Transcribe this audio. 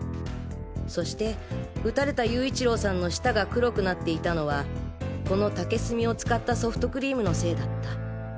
そして撃たれた勇一郎さんの舌が黒くなっていたのはこの竹炭を使ったソフトクリームのせいだった。